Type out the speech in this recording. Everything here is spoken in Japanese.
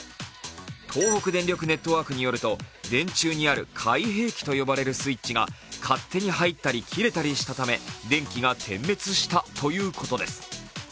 東北電力ネットワークによると電柱にある開閉器と呼ばれるスイッチが勝手に入ったり切れたりしたため電気が点滅したということです。